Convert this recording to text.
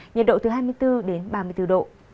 nhiệt độ từ hai mươi bốn đến ba mươi bốn độ